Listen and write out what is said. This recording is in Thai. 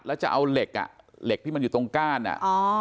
แล้วจะเอาเหล็กอ่ะเหล็กที่มันอยู่ตรงก้านอ่ะอ๋อ